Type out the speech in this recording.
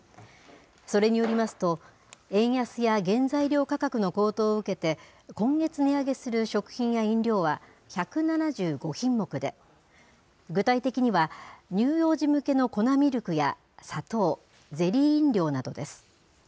それによりますと、円安や原材料価格の高騰を受けて、今月値上げする食品や飲料は１７５品目で、具体的には、乳幼児向けの粉ミルクや砂糖、ゼリー飲料などです。